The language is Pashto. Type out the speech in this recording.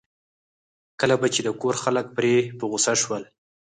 کله به چې د کور خلک پرې په غوسه شول.